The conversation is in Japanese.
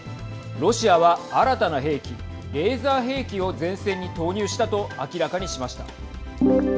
ロシアは、新たな兵器レーザー兵器を前線に投入したと明らかにしました。